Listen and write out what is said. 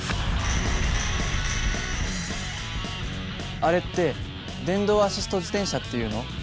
あれって電動アシスト自転車っていうの？